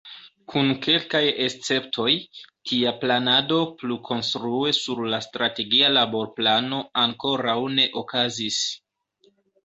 Kun kelkaj esceptoj, tia planado plukonstrue sur la Strategia Laborplano ankoraŭ ne okazis.